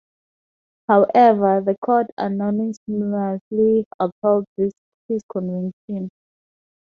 However, the Court unanimously upheld his conviction.